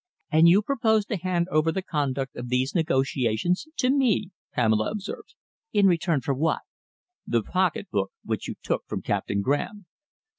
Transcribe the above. "And you propose to hand over the conduct of these negotiations to me," Pamela observed, "in return for what?" "The pocketbook which you took from Captain Graham."